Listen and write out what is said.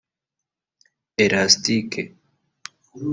Elastike